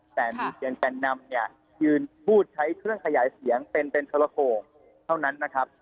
แต่มีเพียงแก่นนำเนี่ยยืนพูดใช้เครื่องขยายเสียงเป็นเป็นโทรโขกเท่านั้นนะครับ